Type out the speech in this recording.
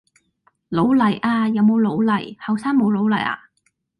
老泥呀，有冇老泥？後生冇老泥啊？